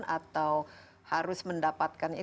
atau harus mendapatkan